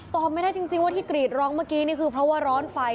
ไม่ได้จริงว่าที่กรีดร้องเมื่อกี้นี่คือเพราะว่าร้อนไฟ